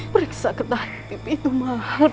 periksa ketahuan pipi itu mahal